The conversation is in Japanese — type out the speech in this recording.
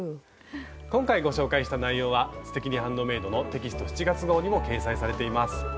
今回ご紹介した内容は「すてきにハンドメイド」のテキスト７月号にも掲載されています。